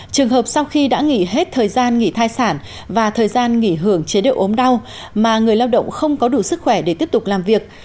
trường hợp sau khi đã nghỉ hết thời gian nghỉ thai sản và thời gian nghỉ hưởng chế độ ốm đau mà người lao động không có đủ sức khỏe để tiếp tục làm việc